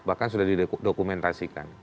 bahkan sudah didokumentasikan